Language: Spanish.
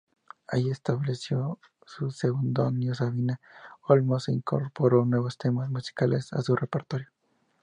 Ahí estableció su seudónimo —Sabina Olmos— e incorporó nuevos temas musicales a su repertorio.